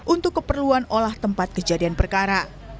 untuk keperluan olah tempat kejadian perkara